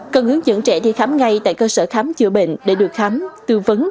cần hướng dẫn trẻ đi khám ngay tại cơ sở khám chữa bệnh để được khám tư vấn